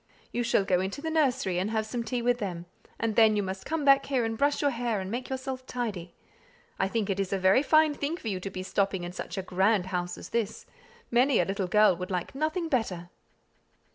You shall go into the nursery, and have some tea with them; and then you must come back here and brush your hair and make yourself tidy. I think it is a very fine thing for you to be stopping in such a grand house as this; many a little girl would like nothing better."